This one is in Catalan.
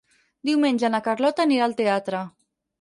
Diumenge na Carlota anirà al teatre.